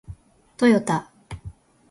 トヨタ